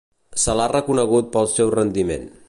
Se l'ha reconegut pel seu rendiment.